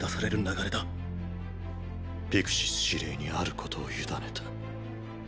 ピクシス司令にあることを委ねた。